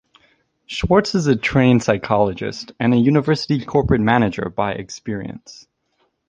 Schwartz is a trained psychologist and a university corporate manager by experience.